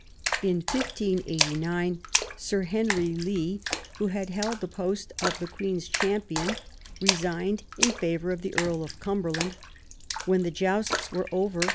In 1589 Sir Henry Lee, who had held the post of the Queen's champion, resigned in favour of the Earl of Cumberland. When the jousts were over.